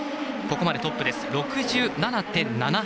ここまでトップ、６７．７８。